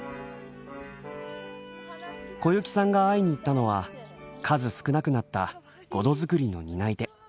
小雪さんが会いに行ったのは数少なくなったごど作りの担い手